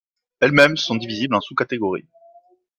Elles-mêmes sont divisibles en sous-catégories.